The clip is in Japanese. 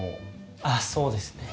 ああそうですね